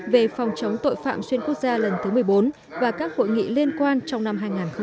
về phòng chống tội phạm xuyên quốc gia lần thứ một mươi bốn và các hội nghị liên quan trong năm hai nghìn hai mươi